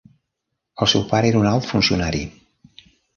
El seu pare era un alt funcionari.